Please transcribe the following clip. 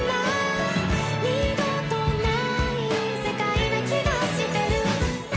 「二度とない世界な気がしてる」